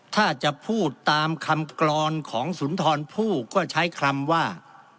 ถ้าจะพูดตามคำกรอนของสุนทรผู้ก็ใช้คำว่า